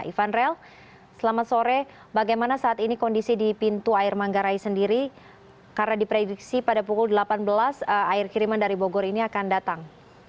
ivanrel selamat sore bagaimana saat ini kondisi di pintu air manggarai sendiri karena diprediksi pada pukul delapan belas air kiriman dari bogor ini akan datang